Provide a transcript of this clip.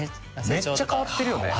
めっちゃ変わってるよね。